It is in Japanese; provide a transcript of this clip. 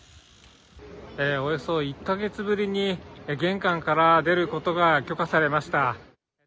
およそ１か月ぶりに、玄関から出ることが許可されました。